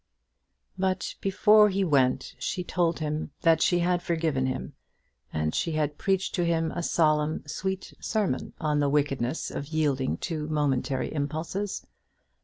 But before he went she told him that she had forgiven him, and she had preached to him a solemn, sweet sermon on the wickedness of yielding to momentary impulses.